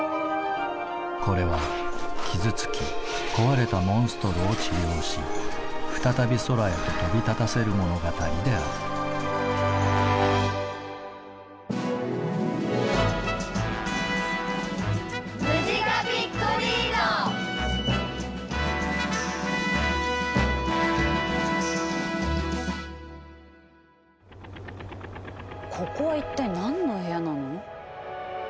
これは傷つき壊れたモンストロを治療し再び空へと飛び立たせる物語であるここは一体何の部屋なの？